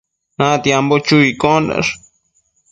Natiambo chu iccondash